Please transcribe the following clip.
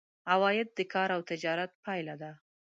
عواید د کار او تجارت پایله دي.